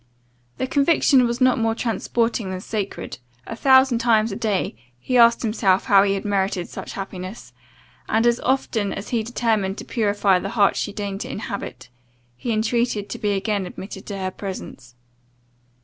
The conviction was not more transporting, than sacred a thousand times a day, he asked himself how he had merited such happiness? and as often he determined to purify the heart she deigned to inhabit He intreated to be again admitted to her presence.